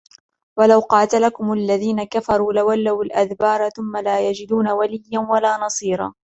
وَلَوْ قَاتَلَكُمُ الَّذِينَ كَفَرُوا لَوَلَّوُا الْأَدْبَارَ ثُمَّ لَا يَجِدُونَ وَلِيًّا وَلَا نَصِيرًا